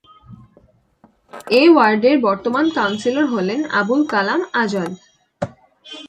এ ওয়ার্ডের বর্তমান কাউন্সিলর হলেন আবুল কালাম আজাদ।